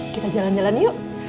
kita jalan jalan yuk